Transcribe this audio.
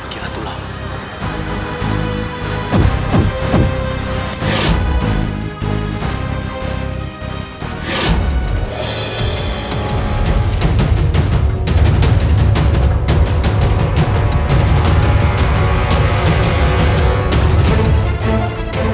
dia tidak akan berguna